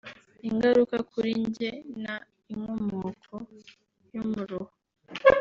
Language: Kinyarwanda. Ingaruka kuri njye na Inkomoko y’umuruho